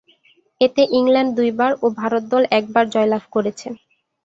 এতে ইংল্যান্ড দুইবার ও ভারত দল একবার জয়লাভ করেছে।